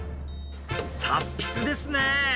達筆ですね。